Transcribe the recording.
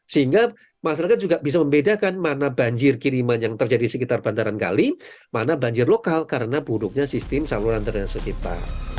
sehingga masyarakat juga bisa membedakan mana banjir kiriman yang terjadi di sekitar bandaran kali mana banjir lokal karena buruknya sistem saluran drainase kita